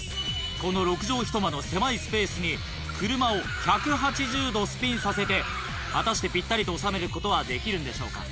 この６畳１間の狭いスペースに車を１８０度スピンさせて果たしてぴったりと収めることはできるんでしょうか？